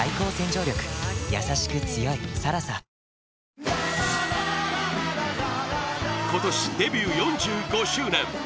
ニトリ今年、デビュー４５周年！